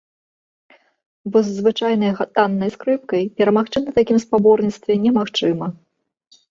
Бо з звычайнай таннай скрыпкай перамагчы на такім спаборніцтве немагчыма.